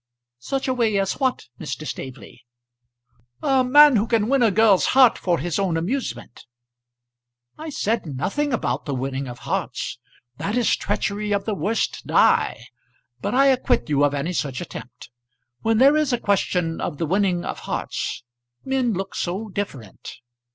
"Such a way as what, Mr. Staveley?" "A man who can win a girl's heart for his own amusement." "I said nothing about the winning of hearts. That is treachery of the worst dye; but I acquit you of any such attempt. When there is a question of the winning of hearts men look so different."